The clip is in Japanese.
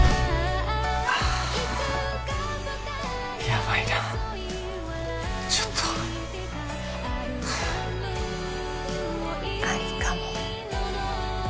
やばいなちょっとありかも？